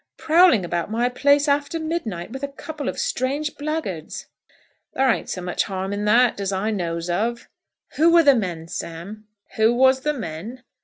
"Prowling about my place, after midnight, with a couple of strange blackguards." "There ain't so much harm in that, as I knows of." "Who were the men, Sam?" "Who was the men?"